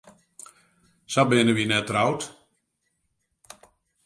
Sa binne wy net troud.